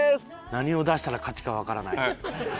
「何を出したら勝ちかわからない」あっ！